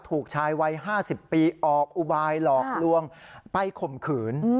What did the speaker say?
ถูกชายวัย๕๐ปีออกอุบายหลอกลวงไปข่มขืน